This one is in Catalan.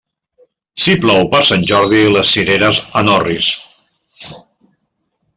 Si plou per Sant Jordi, les cireres en orris.